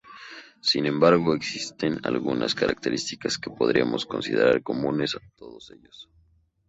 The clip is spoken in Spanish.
Sin embargo, existen algunas características que podríamos considerar comunes a todos ellos.